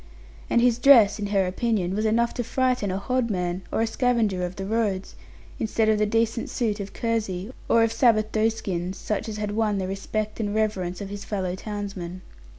And his dress, in her opinion, was enough to frighten a hodman, of a scavenger of the roads, instead of the decent suit of kersey, or of Sabbath doeskins, such as had won the respect and reverence of his fellow townsmen.